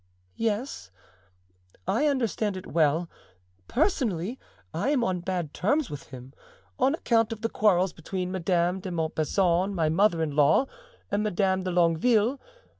"Yes, I understand it well. Personally, I am on bad terms with him, on account of the quarrels between Madame de Montbazon, my mother in law, and Madame de Longueville.